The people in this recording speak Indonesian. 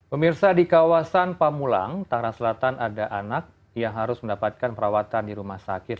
pemirsa di kawasan pamulang tangerang selatan ada anak yang harus mendapatkan perawatan di rumah sakit